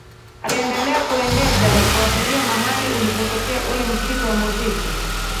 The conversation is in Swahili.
Aliendelea kuendesha akifuatilia mahali ulipotokea ule mkito wa muziki